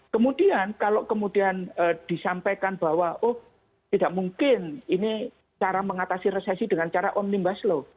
kemudian kalau kemudian disampaikan bahwa oh tidak mungkin ini cara mengatasi resesi dengan cara omnibus law